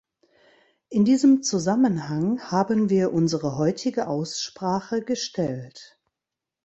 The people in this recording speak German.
In diesem Zusammenhang haben wir unsere heutige Aussprache gestellt.